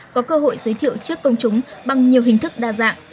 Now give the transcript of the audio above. có cơ hội giới thiệu trước công chúng bằng nhiều hình thức đa dạng